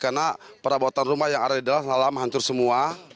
karena perabotan rumah yang ada di dalam selama lamanya hancur semua